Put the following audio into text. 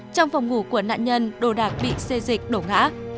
trong phòng ngủ của nạn nhân đồ đạc bị xây dịch đổ ngã